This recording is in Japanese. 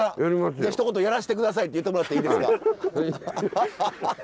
じゃひと言「やらして下さい」って言ってもらっていいですか？